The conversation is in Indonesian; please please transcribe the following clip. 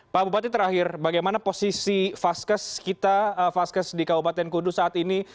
pak bupati terakhir bagaimana posisi vaskes kita vaskes di kabupaten kudus saat ini